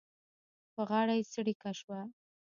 په غاړه یې څړيکه شوه.